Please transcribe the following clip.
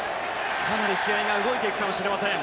かなり試合が動いていくかもしれません。